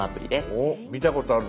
おお見たことあるぞ。